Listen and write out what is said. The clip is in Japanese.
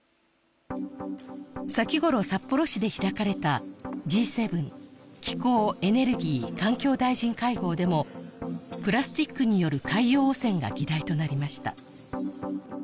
先頃札幌市で開かれたＧ７気候・エネルギー・環境大臣会合でもプラスチックによる海洋汚染が議題となりました